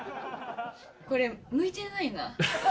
これ、向いてないな。